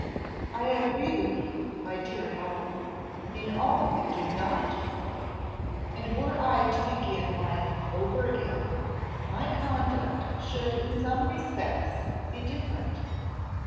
"I agree with you, my dear Helen, in all you do not say, and were I to begin life over again, my conduct should in some respects be different.